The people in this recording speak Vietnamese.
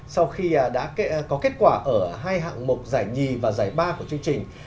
sau khi đã có kết quả ở hai hạng mục dạy hai và dạy ba của chương trình